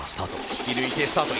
引き抜いてスタート。